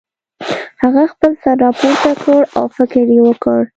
هغه خپل سر راپورته کړ او فکر یې وکړ